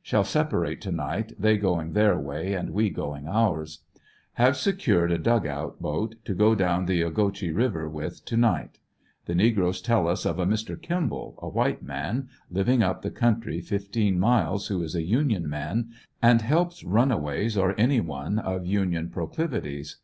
Shall separate to night, they going their way and we going ours. Have secured a dug out boat to go down the Ogechee Kiver with to night. The negroes tell us of a Mr. Kimball, a white man, living up the countr}^ fifteen miles, who is a Union man, and helps runaways, or any one of Union proclivities.